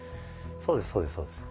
そうですそうですそうです。